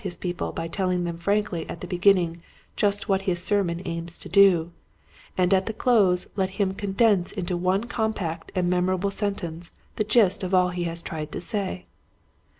his people by telling them frankly at the beginning just what his sermon aims to do, and at the close let him condense into one compact and memorable sentence the gist of all he has tried to say.